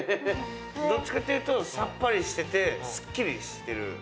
どっちかっていうとさっぱりしててスッキリしてる。